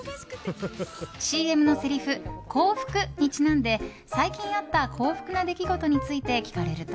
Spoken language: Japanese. ＣＭのせりふ「幸福！」にちなんで最近あった幸福な出来事について聞かれると。